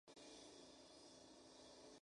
El fuselaje era un monocasco de madera.